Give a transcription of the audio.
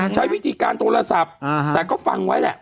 ใช้วิธีการโทรศัพท์แต่ก็ฟังไว้แหละ